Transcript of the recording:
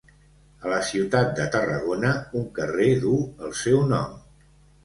A la ciutat de Tarragona, un carrer duu el seu nom.